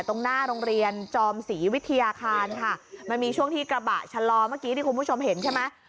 ตรงหน้าโรงเรียนจอมศรีวิทยาคารค่ะมันมีช่วงที่กระบะชะลอเมื่อกี้ที่คุณผู้ชมเห็นใช่ไหม